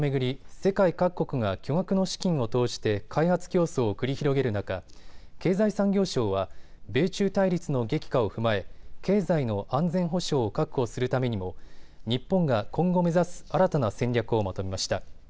世界各国が巨額の資金を投じて開発競争を繰り広げる中、経済産業省は米中対立の激化を踏まえ経済の安全保障を確保するためにも日本が今後目指す新たな戦略をまとめました。